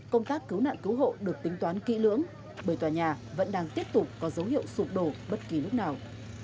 công tác cứu nạn cứu hộ được tính toán kỹ lưỡng bởi tòa nhà vẫn đang tiếp tục có dấu hiệu sụp đổ bất kỳ lúc nào